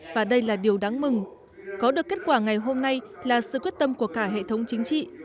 và đây là điều đáng mừng có được kết quả ngày hôm nay là sự quyết tâm của cả hệ thống chính trị